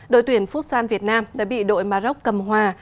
đội tuyển phúc san việt nam đã bị đội maroc cầm hòa